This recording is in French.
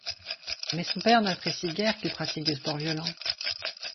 Mais son père n'apprécie guère qu'il pratique des sports violents.